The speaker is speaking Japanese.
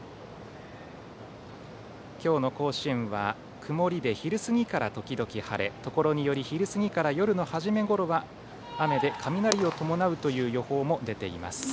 今日の甲子園は曇りで昼過ぎから時々晴れところにより昼過ぎから夜の初めごろは雨で雷を伴うという予報も出ています。